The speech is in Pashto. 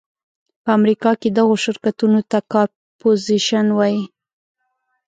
په امریکا کې دغو شرکتونو ته کارپورېشن وایي.